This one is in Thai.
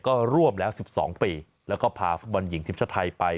ก็ร่วมแล้ว๑๒ปีแล้วก็พาฟุตบอลหญิงทีมชาติไทยไป